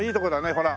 ほら。